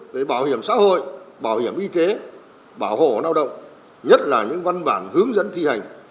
về bảo hiểm xã hội bảo hiểm y tế bảo hộ lao động nhất là những văn bản hướng dẫn thi hành